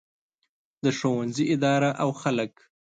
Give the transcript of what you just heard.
د ښوونځي اداره او خلک.